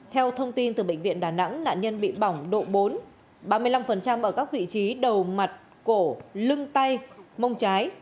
theo thông tin từ bệnh viện đà nẵng nạn nhân bị bỏng độ bốn ba mươi năm ở các vị trí đầu mặt cổ lưng tay mông trái